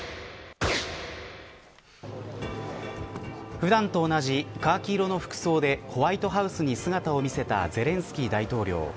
普段と同じカーキ色の服装でホワイトハウスに姿を見せたゼレンスキー大統領。